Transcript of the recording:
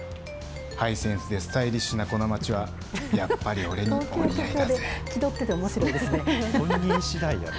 ハイセンスでスタイリッシュなこの街は、やっぱり俺にお似合いだぜ。